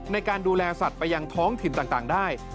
ในการดูแลสัตว์ไปยังท้องถิ่นต่างได้